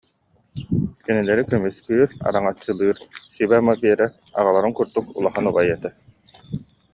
кинилэри көмүскүүр, араҥаччылыыр, сүбэ-ама биэрэр аҕаларын курдук улахан убай этэ